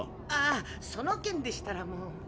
ああその件でしたらもう。